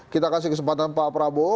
kita kasih kesempatan pak prabowo